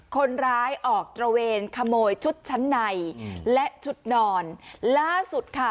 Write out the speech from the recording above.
คนร้ายออกตระเวนขโมยชุดชั้นในและชุดนอนล่าสุดค่ะ